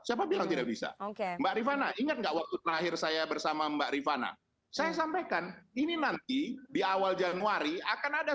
enggak waktu terakhir saya bersama mbak rifana saya sampaikan ini nanti di awal januari akan ada